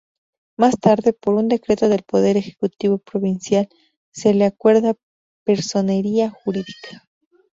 Más tarde por un decreto del Poder Ejecutivo Provincial se le acuerda Personería Jurídica.